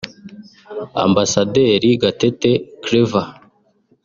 Ambasaderi Gatete Claver